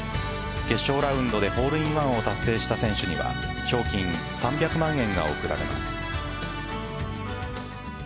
決勝ラウンドでホールインワンを達成した選手には賞金３００万円が贈られます。